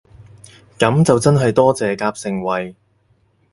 噉就真係多謝夾盛惠